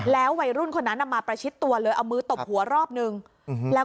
แล้ววัยรุ่นคนนั้นน่ะมาประชิดตัวเลยเอามือตบหัวรอบหนึ่งอือฮือ